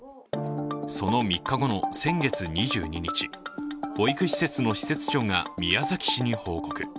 その３日後の先月２２日、保育施設の施設長が宮崎市に報告。